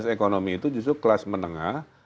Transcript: ekonomi itu justru kelas menengah